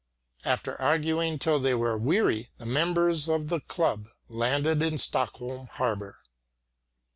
After arguing till they were weary, the members of the club landed in Stockholm harbour.